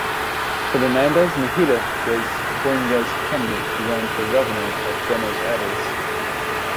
Fernandez Meijide was appointed as candidate to run for Governor of Buenos Aires.